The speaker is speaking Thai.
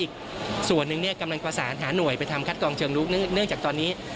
ก็จะเอาชุดตรวจไปไปลงในพื้นที่